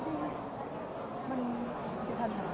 พี่คิดว่าเข้างานทุกครั้งอยู่หรือเปล่า